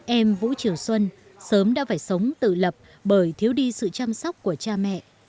em vũ trường xuân sớm đã phải sống tự lập bởi thiếu đi sự chăm sóc của cha mẹ